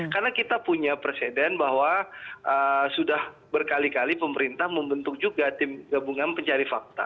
karena kita punya persediaan bahwa sudah berkali kali pemerintah membentuk juga tim gabungan pencari fakta